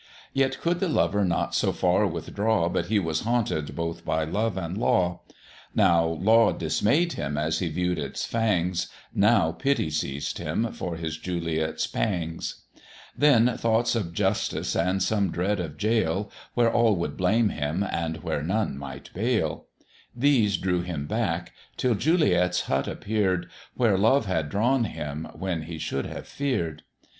Yet could the Lover not so far withdraw, But he was haunted both by Love and Law; Now Law dismay'd him as he view'd its fangs, Now Pity seized him for his Juliet's pangs; Then thoughts of justice and some dread of jail, Where all would blame him, and where none might bail; These drew him back, till Juliet's hut appear'd, Where love had drawn him when he should have fear'd.